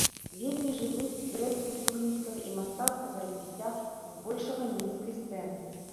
Вельмі жывы зрэз культурніцкага і мастацкага развіцця з большага мінскай сцэны.